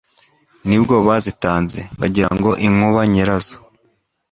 Ni bwo bazitanze, Bagira ngo inkuba nyirazo